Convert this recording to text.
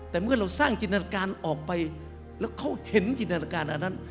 แต่เมื่อเราสร้างจินตนาการออกไปแล้วเขาเห็นจินตนาการอันนั้น